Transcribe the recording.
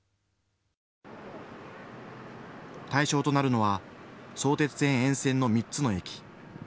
対象となるのは相鉄線沿線の３つの駅。